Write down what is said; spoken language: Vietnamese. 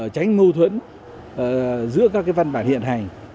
tránh mâu thuẫn giữa các văn bản hiện hành